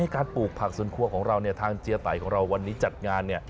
การปลูกผักสวนครัวของเราทางเจียไตของเราวันนี้จัดงาน